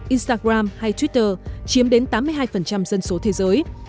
instagram hay twitter chiếm đến tám mươi hai dân số thế giới